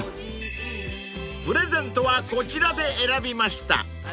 ［プレゼントはこちらで選びました］